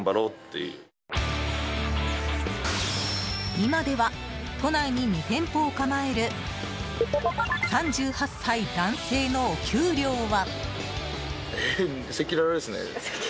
今では都内に２店舗を構える３８歳男性のお給料は。